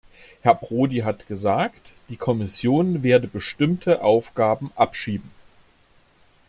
Herr Prodi hat gesagt, die Kommission werde bestimmte Aufgaben abschieben.